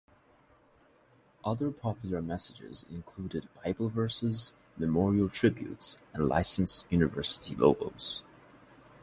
Other popular messages included Bible verses, memorial tributes, and licensed university logos.